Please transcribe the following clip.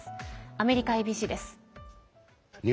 アメリカＡＢＣです。